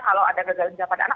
kalau ada gagal di jangka dana